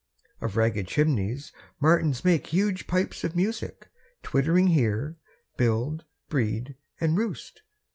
3. Of ragged chimneys martins make Huge pipes of music; twittering here Build, breed, and roost.